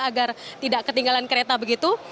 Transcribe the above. agar tidak ketinggalan kereta begitu